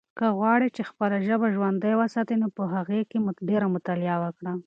که غواړې چې خپله ژبه ژوندۍ وساتې نو په هغې کې ډېره مطالعه وکړه.